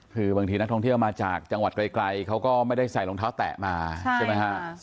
คือบางทีนักท่องเที่ยวมาจากจังหวัดไกลเขาก็ไม่ได้ใส่รองเท้าแตะมาใช่ไหมฮะ